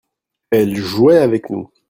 elle jouait avec nous.